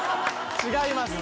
違います。